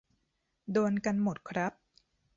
โดนกันหมดครับ